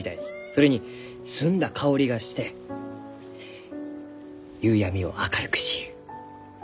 それに澄んだ香りがして夕闇を明るくしゆう。